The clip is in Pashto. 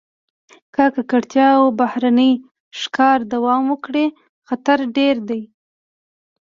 که ککړتیا او بهرني ښکار دوام وکړي، خطر ډېر دی.